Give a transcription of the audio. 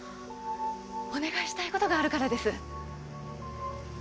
お願いしたい事があるからです。